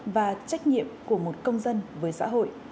và trách nhiệm của một công dân với xã hội